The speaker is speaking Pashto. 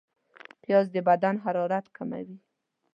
پیاز د بدن حرارت کموي